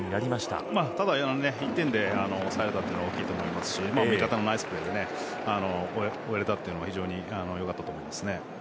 ただ、１点で抑えたというのは大きいと思いますし味方のナイスプレーで終われたっていうのは非常に良かったと思います。